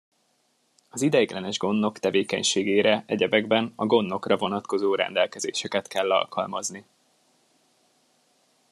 Az ideiglenes gondnok tevékenységére egyebekben a gondnokra vonatkozó rendelkezéseket kell alkalmazni.